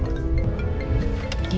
iya mbak suci